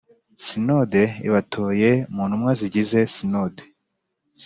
Sinode ibatoye mu ntumwa zigize Sinode